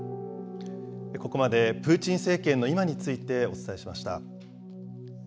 ここまでプーチン政権の今についてお伝えしました。